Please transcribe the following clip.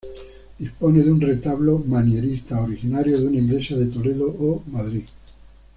Dispone de un retablo manierista, originario de una iglesia de Toledo o Madrid.